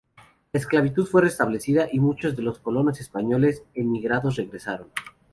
La esclavitud fue restablecida y muchos de los colonos españoles emigrados regresaron.